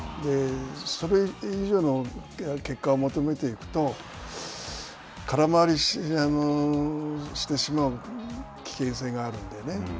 それ以上の結果を求めていくと、空回りしてしまう危険性があるのでね。